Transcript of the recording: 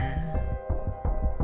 kalau tante rosa beli